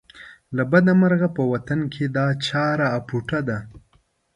له بده مرغه په وطن کې دا چاره اپوټه ده.